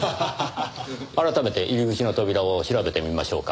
改めて入り口の扉を調べてみましょうか。